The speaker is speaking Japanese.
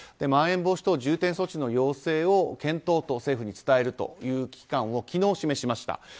まん延防止等重点措置の対応を検討と政府に伝えるという危機感を昨日示しました。